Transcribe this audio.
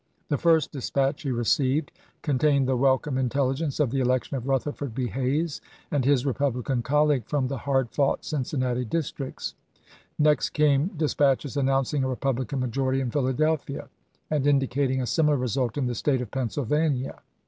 The first dispatch he received contained the wel come intelligence of the election of Rutherford B. Hayes and his Republican colleague from the hard fought Cincinnati districts. Next came dis patches announcing a Republican majority in Philadelphia and indicating a similar result in the State of Pennsylvania.